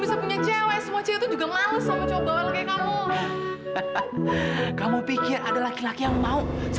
sampai jumpa di video selanjutnya